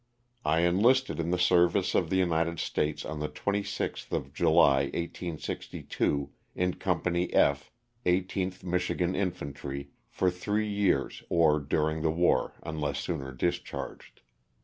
I enlisted in the service of the United States on the 26th of July, 1862, in Company F, 18th Michigan Infantry, for three years or during the war unless sooner discharged.